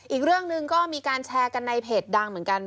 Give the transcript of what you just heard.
อีกเรื่องหนึ่งก็มีการแชร์กันในเพจดังเหมือนกัน